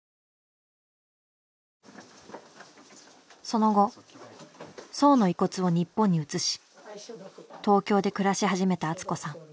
その後荘の遺骨を日本に移し東京で暮らし始めた敦子さん。